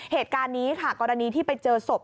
เหตุการณ์นี้ค่ะกรณีที่ไปเจอศพ